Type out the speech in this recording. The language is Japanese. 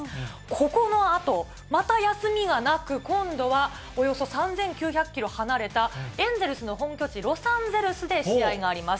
ここのあと、また休みがなく、今度はおよそ３９００キロ離れたエンゼルスの本拠地、ロサンゼルスで試合があります。